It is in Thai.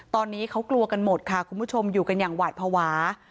ตอนนี้เขากลัวกันหมดค่ะคุณผู้ชมอยู่กันอย่างหวาดภาวะ